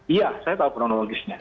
iya saya tahu kronologisnya